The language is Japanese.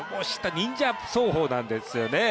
忍者走法なんですよね。